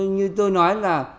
như tôi nói là